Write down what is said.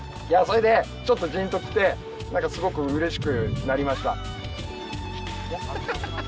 それでちょっとジンと来て何かすごくうれしくなりました